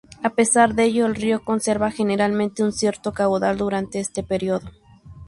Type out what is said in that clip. A pesar de ello, el río conserva generalmente un cierto caudal durante este periodo.